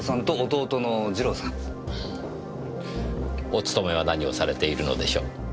お勤めは何をされているのでしょう？